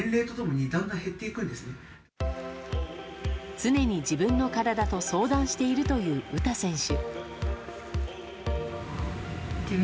常に自分の体と相談しているという詩選手。